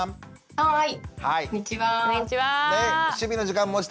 はい。